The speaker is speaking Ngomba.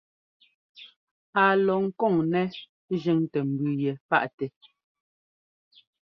Á lɔ ŋkɔ̂n nɛ́ jʉ́ntɛ́ mbʉ yɛ paʼtɛ.